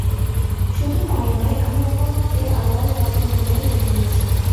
শুধু তাই নয়, আমি মুহাম্মাদকে আল্লাহর রাসূল বলেও মেনে নিয়েছি।